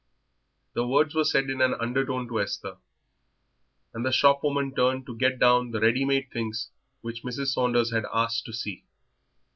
'" The words were said in an undertone to Esther, and the shop woman turned to get down the ready made things which Mrs. Saunders had asked to see.